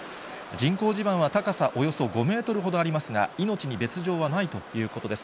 人工地盤は高さおよそ５メートルほどありますが、命に別状はないということです。